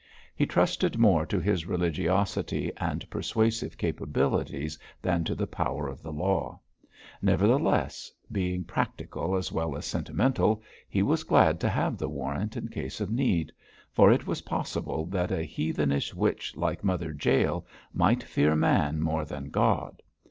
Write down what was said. He trusted more to his religiosity and persuasive capabilities than to the power of the law. Nevertheless, being practical as well as sentimental, he was glad to have the warrant in case of need; for it was possible that a heathenish witch like Mother Jael might fear man more than God.